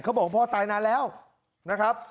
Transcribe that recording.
บอกพ่อตายนานแล้วนะครับ